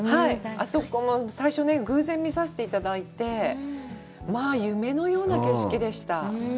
あそこも最初偶然見させていただいて、まあ、夢のような景色でした。